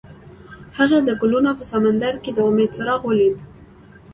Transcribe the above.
هغه د ګلونه په سمندر کې د امید څراغ ولید.